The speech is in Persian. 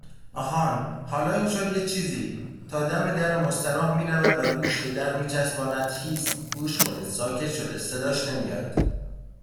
آهان. حالا این شد یه چیزی. تا دم در مستراح می رود و گوش به در می چسباند هیس . گوش کنید. ساکت شده. صداش نمیاد.